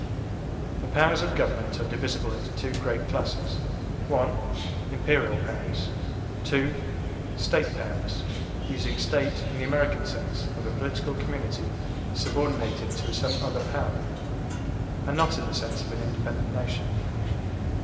The powers of government are divisible into two great classes 1. Imperial powers; 2. State powers, using "State" in the American sense of a political community subordinated to some other power, and not in the sense of an independent nation.